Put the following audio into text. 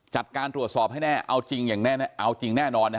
จัดการตรวจสอบให้แน่เอาจริงแน่นอน